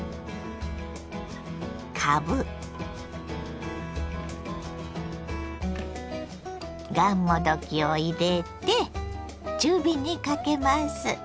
かぶがんもどきを入れて中火にかけます。